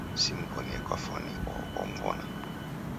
Simw'onie kafwani, oho kwamw'ona?